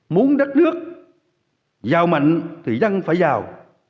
muốn đất nước giàu mạnh thì dân phải giàu